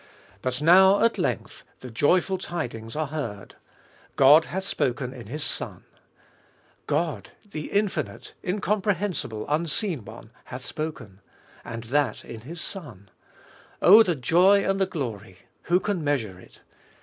But now at length the joyful tidings are heard — God hath spoken in His Son ! God, the infinite, incompre hensible, unseen One, hath spoken ! And that in His Son ! Oh the joy and the glory! who can measure it?